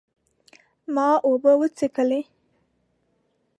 ما اوبه وڅښلې